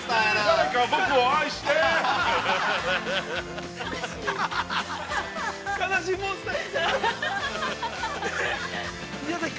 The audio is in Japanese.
◆誰か僕を愛してー！